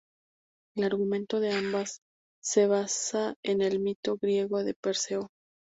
El argumento de ambas se basa en el mito griego de Perseo.